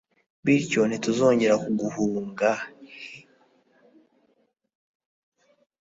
bityo ntituzongera kuguhungah.